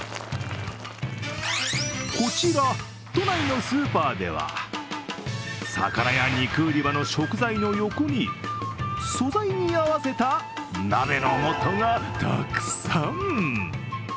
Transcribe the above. こちら、都内のスーパーでは魚や肉売り場の食材の横に素材に合わせた鍋の素がたくさん。